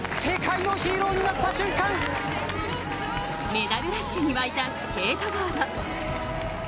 メダルラッシュに沸いたスケートボード。